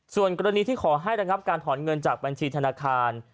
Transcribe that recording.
ส่วนกรณีที่ขอให้ระงับการถอนเงินจากบัญชีธนาคาร